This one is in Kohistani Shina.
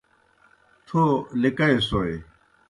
تھو لِکئسوئے